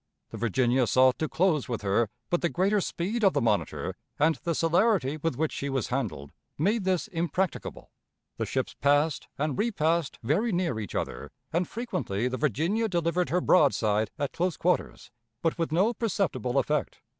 The Virginia sought to close with her, but the greater speed of the Monitor and the celerity with which she was handled made this impracticable. The ships passed and repassed very near each other, and frequently the Virginia delivered her broadside at close quarters, but with no perceptible effect.